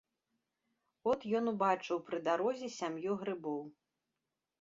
От ён убачыў пры дарозе сям'ю грыбоў.